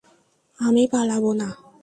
আমি পালাবো না।